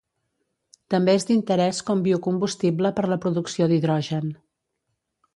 També és d'interès com biocombustible per la producció d'hidrogen.